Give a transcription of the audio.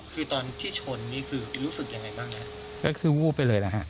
คือตอนที่ชนนี่คือรู้สึกยังไงบ้างฮะก็คือวูบไปเลยนะฮะ